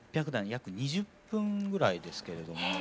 ６００段約２０分ぐらいですけれども。